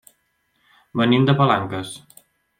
Venim de Palanques.